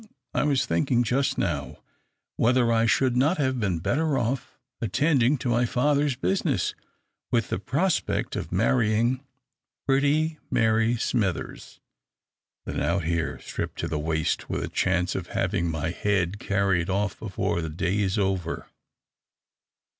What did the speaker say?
"I was thinking just now whether I should not have been better off attending to my father's business, with the prospect of marrying pretty Mary Smithers, than out here, stripped to the waist, with a chance of having my head carried off before the day's over!"